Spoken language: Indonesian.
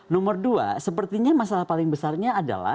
nomor dua sepertinya masalah paling besarnya adalah